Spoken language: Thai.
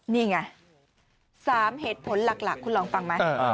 นี่ไง๓เหตุผลหลักคุณลองฟังไหม